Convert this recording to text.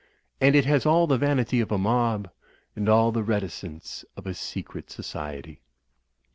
And it has all the vanity of a mob; and all the reticence of a secret society.